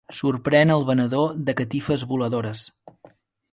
Sorprèn el venedor de catifes voladores.